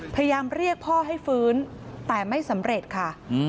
พยายามเรียกพ่อให้ฟื้นแต่ไม่สำเร็จค่ะ